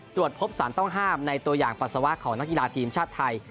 ตรวจพบสารต้องห้ามในตัวอย่างปัสสาวะของนักกีฬาทีมชาติไทย